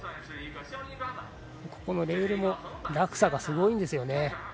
レールも落差がすごいんですよね。